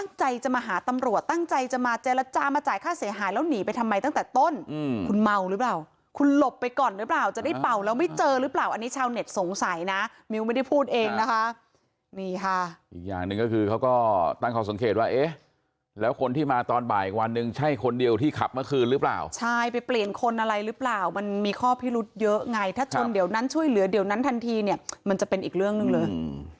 เน็ตสงสัยนะมิวไม่ได้พูดเองนะคะนี่ค่ะอีกอย่างหนึ่งก็คือเขาก็ตั้งของสงเขตว่าเอ๊ะแล้วคนที่มาตอนบ่ายอีกวันหนึ่งใช่คนเดียวที่ขับเมื่อคืนหรือเปล่าใช่ไปเปลี่ยนคนอะไรหรือเปล่ามันมีข้อพิรุธเยอะไงถ้าชนเดี๋ยวนั้นช่วยเหลือเดี๋ยวนั้นทันทีเนี่ยมันจะเป็นอีกเรื่องหนึ่งเลยอืม